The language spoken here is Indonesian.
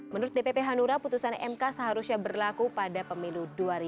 menurut dpp hanura putusan mk seharusnya berlaku pada pemilu dua ribu dua puluh empat